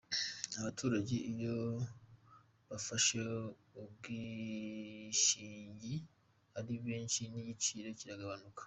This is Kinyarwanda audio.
Abaturage iyo bafashe ubwishingi ari benshi n’igiciro kiragabanuka.